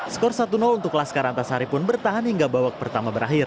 skor satu untuk laskar antasari pun bertahan hingga babak pertama berakhir